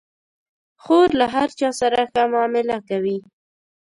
خور له هر چا سره ښه معامله کوي.